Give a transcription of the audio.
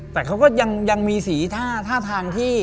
แต่เขาก็ยังมีสีท่าทางที่